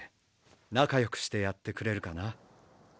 仲良くしてやってくれるかな？